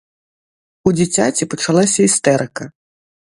У дзіцяці пачалася істэрыка.